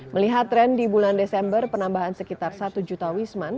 melihat tren di bulan desember penambahan sekitar satu juta wisman